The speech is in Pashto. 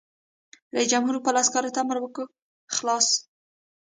رئیس جمهور خپلو عسکرو ته امر وکړ؛ خلاص!